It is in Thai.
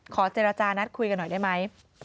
ขอเจรจานัดคุยกันหน่อยได้ไหม